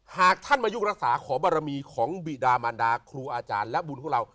หากท่านมายุกรักษาขอบรมีของบิดามันดาครูอาจารย์และบุญของเรา